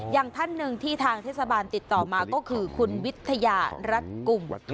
อย่างท่านหนึ่งที่ทางเทศบาลติดต่อมาก็คือคุณวิทยารัฐกลุ่ม